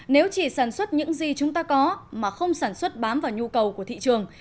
nếu chỉ sản xuất những gì chúng ta có mà không sản xuất bám vào nhu cầu của thị trường